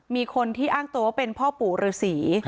มีคนที่อ้างตัวว่าเป็นพ่อปู่ฤษี